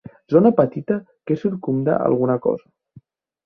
Zona petita que circumda alguna cosa.